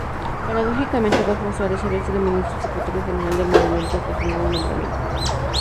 Paradójicamente, Adolfo Suárez había sido Ministro-Secretario general del Movimiento hasta su nuevo nombramiento.